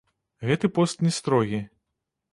Гэты пост не строгі.